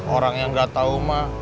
orang yang gak tau mah